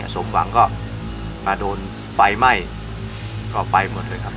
สมหวังก็มาโดนไฟไหม้ก็ไปหมดเลยครับ